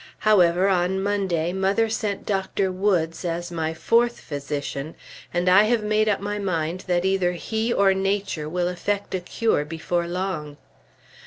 However, on Monday mother sent Dr. Woods as my fourth physician, and I have made up my mind that either he or Nature will effect a cure before long.